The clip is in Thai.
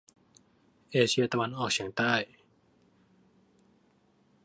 เอเชียตะวันออกเฉียงใต้